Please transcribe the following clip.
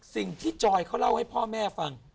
จอยเขาเล่าให้พ่อแม่ฟัง